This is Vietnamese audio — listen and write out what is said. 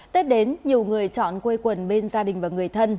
tết đến nhiều người chọn quê quần bên gia đình và người thân